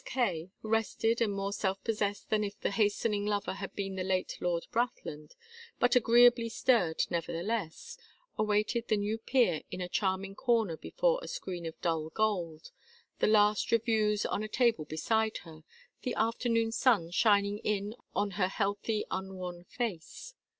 Kaye, rested, and more self possessed than if the hastening lover had been the late Lord Brathland, but agreeably stirred nevertheless, awaited the new peer in a charming corner before a screen of dull gold, the last reviews on a table beside her, the afternoon sun shining in on her healthy unworn face.